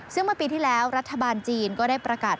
ซึ่งเมื่อปีที่แล้วรัฐบาลจีนก็ได้ประกาศ